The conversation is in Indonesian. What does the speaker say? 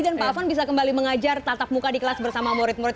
dan pak afan bisa kembali mengajar tatap muka di kelas bersama murid murid